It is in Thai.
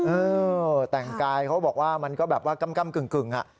เออแต่งกายเขาบอกว่ามันก็แบบว่ากำกึ่ง